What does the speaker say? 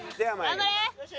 頑張れ！